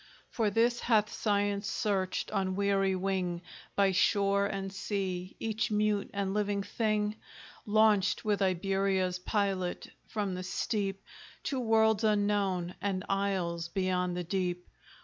For this hath Science searched, on weary wing, By shore and sea, each mute and living thing? Launched with Iberia's pilot from the steep, To worlds unknown, and isles beyond the deep?